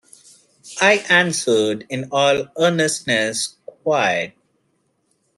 I answered in all earnestness, "Quite."